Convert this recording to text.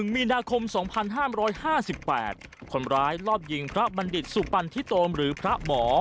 มีนาคม๒๕๕๘คนร้ายลอบยิงพระบัณฑิตสุปันทิโตมหรือพระหมอ